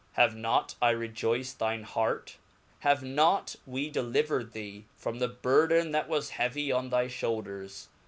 Have not I rejoyced thine heart ? have not we delivered. thee from the burden that was heavy on thy fhoulders.?